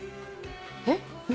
えっ？